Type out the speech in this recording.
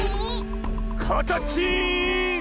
かたちん！